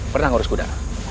pernah mengurus kuda